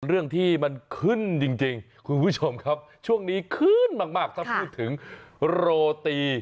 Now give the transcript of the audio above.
เรื่องที่มันขึ้นจริงคุณผู้ชมครับช่วงนี้ขึ้นมากถ้าพูดถึงโรตี